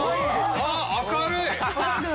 あっ明るい！